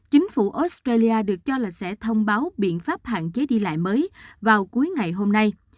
chính phủ australia được cho là sẽ thông báo biện pháp hạn chế đi lại mới vào cuối ngày hôm nay